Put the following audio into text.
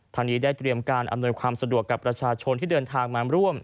ทางนี้ได้เตรียมการอำนวยความสะดวกกับประชาชนที่เดินทางมาร่วม